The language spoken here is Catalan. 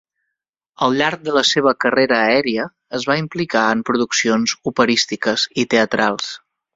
Al llarg de la seva carrera aèria, es va implicar en produccions operístiques i teatrals.